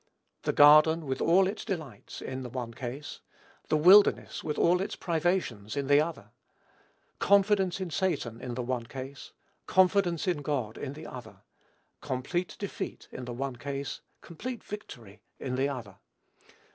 The garden, with all its delights, in the one case; the wilderness, with all its privations, in the other: confidence in Satan, in the one case; confidence in God in the other: complete defeat in the one case; complete victory in the other.